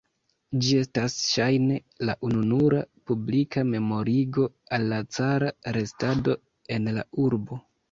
Ĝi estas ŝajne la ununura publika memorigo al la cara restado en la urbo.